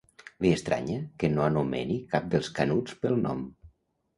Li estranya que no anomeni cap dels Canuts pel nom.